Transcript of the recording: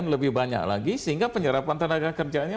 lebih banyak lagi sehingga penyerapannya